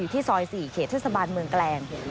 อยู่ที่ซอย๔เขตทศบาลเมืองแกรง